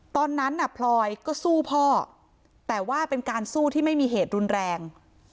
ตอนนั้นน่ะพลอยก็สู้พ่อแต่ว่าเป็นการสู้ที่ไม่มีเหตุรุนแรง